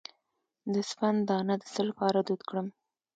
د سپند دانه د څه لپاره دود کړم؟